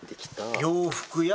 「洋服や」